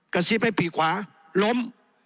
กระซิบให้ปีกขวาล้ม